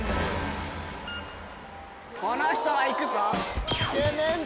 この人は行くぞ！